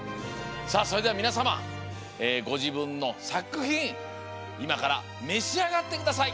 さあそれではみなさまごじぶんのさくひんいまからめしあがってください。